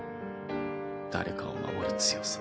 誰かを守る強さ。